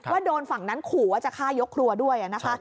ว่าโดนฝั่งนั้นขู่ว่าจะฆ่ายกครัวด้วยนะคะ